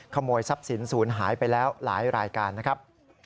ขโมยทรัพย์สินศูนย์หายไปแล้วหลายรายการนะครับ